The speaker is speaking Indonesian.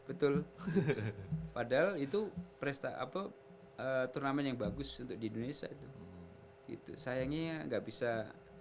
betul padahal itu turnamen yang bagus untuk di indonesia gitu sayangnya gak bisa menarik